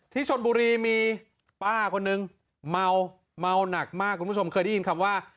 ที่ชนบุรีมีป้าคนนึงเมาเมาหนักมากคุณผู้ชมเคยได้ยินคำว่า